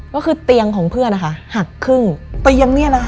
ก็คือเตียงของเพื่อนนะคะหักครึ่งเตียงเนี่ยนะคะ